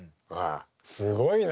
すごいな。